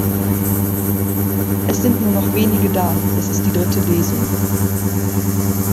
Es sind nur noch wenige da – es ist die dritte Lesung.